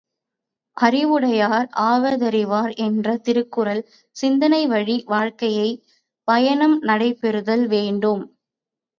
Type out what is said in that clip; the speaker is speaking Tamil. அறிவுடையார் ஆவதறிவார் என்ற திருக்குறள் சிந்தனை வழி வாழ்க்கைப் பயணம் நடைபெறுதல் வேண்டும்.